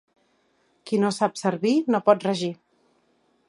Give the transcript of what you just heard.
Qui no sap servir, no pot regir.